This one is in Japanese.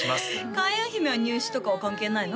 開運姫は入試とかは関係ないの？